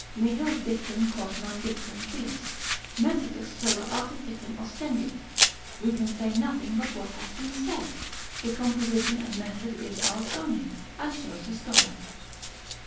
nihil dictum quod non dictum prius, methodus sola artificem ostendit, we can say nothing but what hath been said, the composition and method is ours only, and shows a scholar.